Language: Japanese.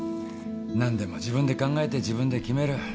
何でも自分で考えて自分で決める。